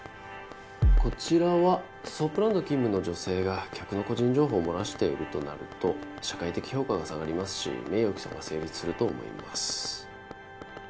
こちらはソープランド勤務の女性が客の個人情報を漏らしているとなると社会的評価が下がりますし名誉毀損が成立すると思います。